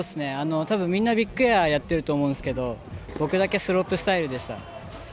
たぶん、みんなビッグエアやってると思うんですけど僕だけスロープスタイルでした。